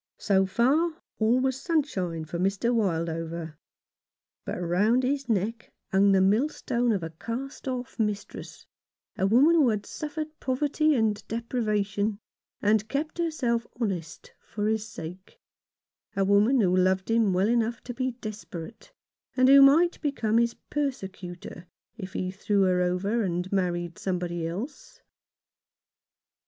So far all was sunshine for Mr. Wildover. But round his neck hung the millstone of a cast off mistress — a woman who had suffered poverty and deprivation, and kept herself honest for his sake ; a woman who loved him well enough 121 Rough Justice. to be desperate, and who might become his' persecutor if he threw her over and married somebody else.